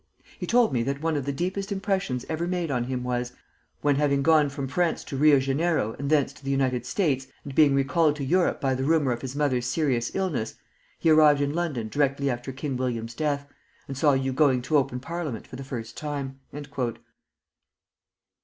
He told me that one of the deepest impressions ever made on him was, when having gone from France to Rio Janeiro and thence to the United States, and being recalled to Europe by the rumor of his mother's serious illness, he arrived in London directly after King William's death, and saw you going to open parliament for the first time."